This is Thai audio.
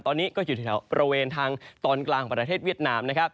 ตอนนี้ก็อยู่แถวบริเวณทางตอนกลางของประเทศเวียดนามนะครับ